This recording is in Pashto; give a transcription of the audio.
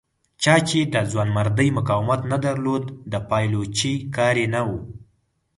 چا چې د ځوانمردۍ مقاومت نه درلود د پایلوچۍ کار یې نه و.